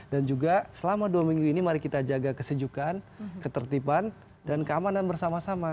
dan juga selama dua minggu ini mari kita jaga kesejukan ketertiban dan keamanan bersama sama